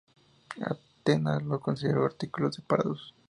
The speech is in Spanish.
Atenas los consideró artículos separados.